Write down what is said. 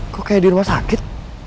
kok kayak di rumah sakit